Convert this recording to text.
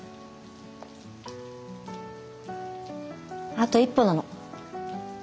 あと一歩なの。